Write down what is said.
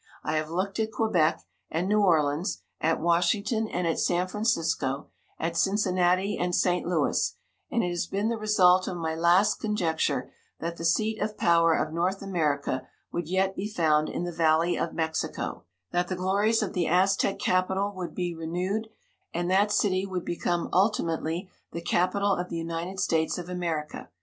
I have looked at Quebec and New Orleans, at Washington and at San Francisco, at Cincinnati and St. Louis, and it has been the result of my last conjecture that the seat of power of North America would yet be found in the Valley of Mexico, that the glories of the Aztec capital would be renewed, and that city would become ultimately the capital of the United States of America.